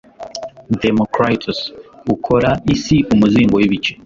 Democritus ukora isi umuzingo wibice